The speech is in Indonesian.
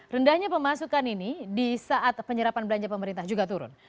rendahnya pemasukan ini di saat penyerapan belanja pemerintah juga turun